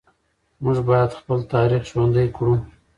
موږ باید خپل تاریخ ژوندي کړو.